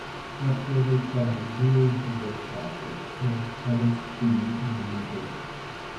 Upgraded from the Neo Geo Pocket, it has a color screen in the middle.